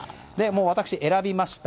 私、選びました。